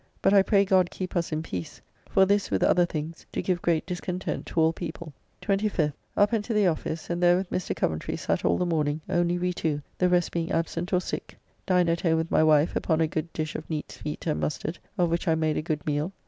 But I pray God keep us in peace; for this, with other things, do give great discontent to all people. 25th. Up and to the office, and there with Mr. Coventry sat all the morning, only we two, the rest being absent or sick. Dined at home with my wife upon a good dish of neats' feet and mustard, of which I made a good meal.